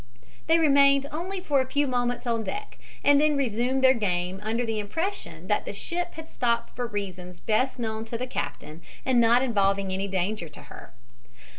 They remained only for a few moments on deck, and then resumed their game under the impression that the ship had stopped for reasons best known to the captain and not involving any danger to her.